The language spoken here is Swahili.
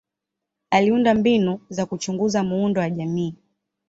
Aliunda mbinu za kuchunguza muundo wa jamii.